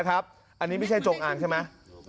อันนี้ไม่ใช่จงอางใช่ไหม